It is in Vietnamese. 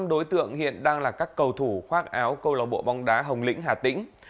đối tượng hiện đang là các cầu thủ khoác áo câu lò bộ bóng đá hồng lĩnh hà tĩnh